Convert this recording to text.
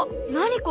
これ！